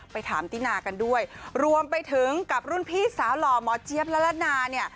ไปถามตินากันด้วยรวมไปถึงกับรุ่นพี่สาวหล่อหมอเจี๊ยบละละนาเนี่ย